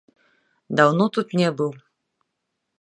Даўно тут не быў.